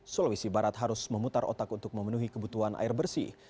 sulawesi barat harus memutar otak untuk memenuhi kebutuhan air bersih